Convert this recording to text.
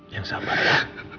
yang sabar ya